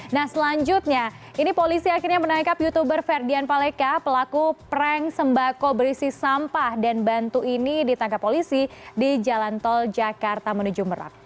nah selanjutnya ini polisi akhirnya menangkap youtuber ferdian paleka pelaku prank sembako berisi sampah dan bantu ini ditangkap polisi di jalan tol jakarta menuju merak